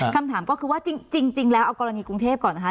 คำถามก็คือว่าจริงแล้วเอากรณีกรุงเทพก่อนนะคะ